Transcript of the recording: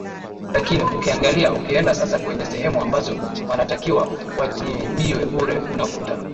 lakini ukiangalia ukienda sasa kwenye sehemu ambazo wanatakiwa watibiwe bure unakuta